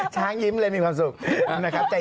ช้างยิ้มเลยมีความสุข